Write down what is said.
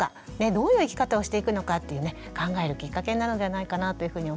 どういう生き方をしていくのかっていうね考えるきっかけになるのではないかなというふうに思います。